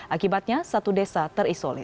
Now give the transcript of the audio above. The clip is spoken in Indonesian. akibatnya satu desa terisolir